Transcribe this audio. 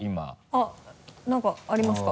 あっ何かありますか？